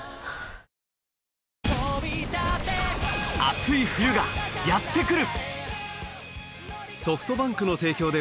熱い冬がやってくる！